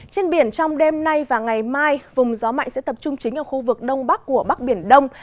trên biển trong đêm nay và ngày mai vùng gió mạnh sẽ tập trung chính ở khu vực đông bắc của bắc biển đông